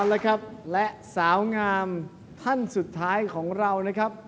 เอาละครับและสาวงามท่านสุดท้ายของเรานะครับ